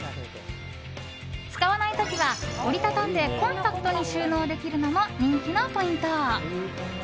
使わない時は折り畳んでコンパクトに収納できるのも人気のポイント。